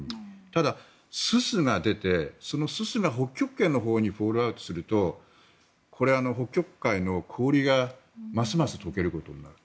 ただ、すすが出てそのすすが北極点のほうにフォールアウトするとこれは北極海の氷がますます解けることになる。